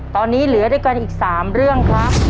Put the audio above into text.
ตอนนี้เหลือด้วยกันอีก๓เรื่องครับ